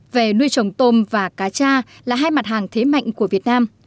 về nuôi trồng tôm và cá cha là hai mặt hàng thế mạnh của việt nam